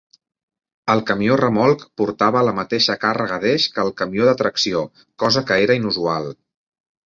El camió remolc portava la mateixa càrrega d'eix que el camió de tracció, cosa que era inusual.